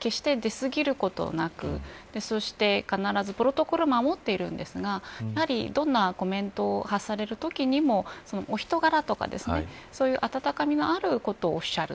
決して、出すぎることなくそして必ずプロトコルを守っているんですがどんなコメントを発されるときにもお人柄とか、そういう温かみのあることをおっしゃる。